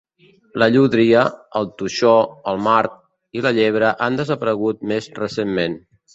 La llúdria, el toixó, el mart, i la llebre han desaparegut més recentment.